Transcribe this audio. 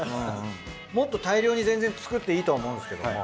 もっと大量に全然作っていいと思うんですけども。